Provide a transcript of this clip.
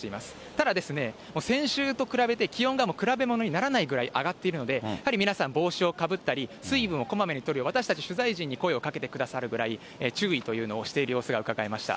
ただ、先週と比べて気温がもう比べ物にならないくらい上がっているので、やはり皆さん、帽子をかぶったり、水分をこまめにとる、私たち、取材陣に声をかけてくださるぐらい、注意というのをしている様子がうかがえました。